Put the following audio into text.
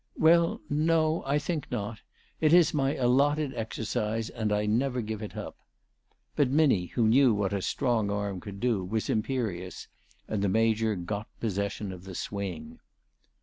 " Well, no ; I think not. It is my allotted exercise, and I never give it up." But Minnie, who knew what a strong arm could do, was imperious, and the Major got possession of the swing.